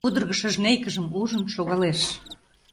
Пудыргышо жнейкыжым ужын шогалеш.